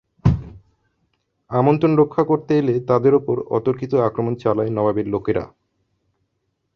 আমন্ত্রণ রক্ষা করতে এলে তাদের ওপর অতর্কিত আক্রমণ চালায় নবাবের লোকেরা।